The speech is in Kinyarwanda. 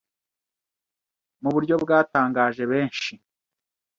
mu buryo bwatangaje benshi,